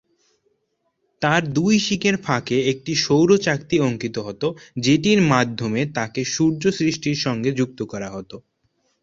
তাঁর দুই শিং-এর ফাঁকে একটি সৌর চাকতি অঙ্কিত হত, যেটির মাধ্যমে তাঁকে সূর্য সৃষ্টির সঙ্গে যুক্ত করা হত।